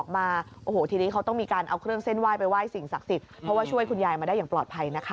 มันเหมือนกันหมด